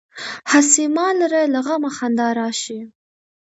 هسې ما لره له غمه خندا راشي.